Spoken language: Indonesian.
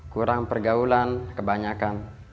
kurang pergaulan kebanyakan